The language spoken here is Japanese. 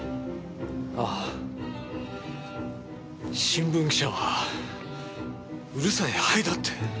新聞記者はうるさいハエだって。